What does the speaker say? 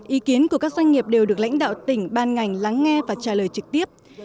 ý kiến của các doanh nghiệp đều được lãnh đạo tỉnh ban ngành lắng nghe và trả lời trực tiếp